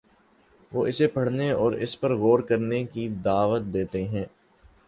وہ اسے پڑھنے اور اس پر غور کرنے کی دعوت دیتے ہیں۔